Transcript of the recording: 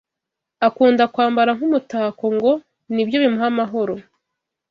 Akunda Kwambara nk’umutako ngo nibyo bimuha amahoro